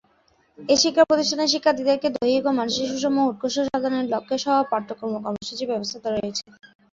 এই শিক্ষা প্রতিষ্ঠানের শিক্ষার্থীদেরকে দৈহিক ও মানসিক সুষম উৎকর্ষ সাধনের লক্ষ্যে সহ-পাঠ্যক্রম কর্মসূচির ব্যবস্থা রয়েছে।